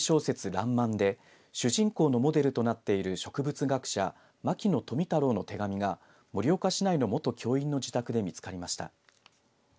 らんまんで主人公のモデルとなっている植物学者牧野富太郎の手紙が盛岡市内の元教員の自宅で見つかりました。